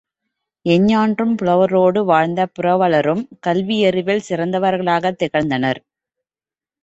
எஞ்ஞான்றும் புலவரொடு வாழ்ந்த புரவலரும் கல்வியறிவில் சிறந்தவர்களாகத் திகழ்ந்தனர்.